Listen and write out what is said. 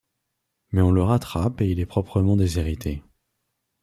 Mais on le rattrape et il est proprement déshérité.